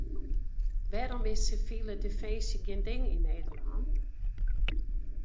Wêrom is sivile definsje gjin ding yn Nederlân?